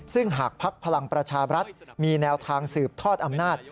ซึ่งหากภักดิ์พลังประชาบรัฐมีแนวทางสืบทอดอำนาจ